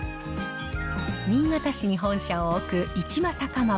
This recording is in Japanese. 新潟市に本社を置く一正蒲鉾。